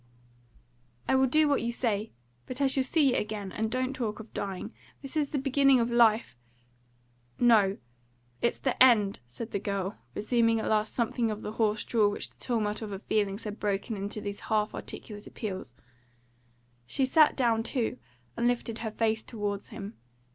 "I will do what you say. But I shall see you again; and don't talk of dying. This is the beginning of life " "No. It's the end," said the girl, resuming at last something of the hoarse drawl which the tumult of her feeling had broken into those half articulate appeals. She sat down too, and lifted her face towards him.